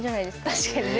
確かにね。